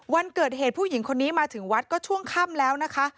วันเกิดเหตุผู้หญิงคนนี้มาถึงวัดก็ช่วงค่ำแล้วนะคะ